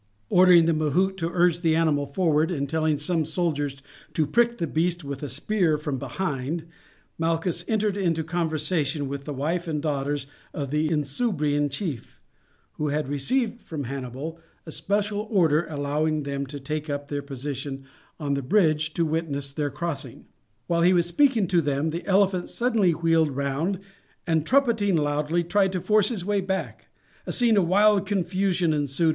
Ordering the mahout to urge the animal forward, and telling some soldiers to prick the beast with a spear from behind, Malchus entered into conversation with the wife and daughters of the Insubrian chief, who had received from Hannibal a special order allowing them to take up their position on the bridge to witness their crossing. While he was speaking to them the elephant suddenly wheeled round and, trumpeting loudly, tried to force his way back. A scene of wild confusion ensued.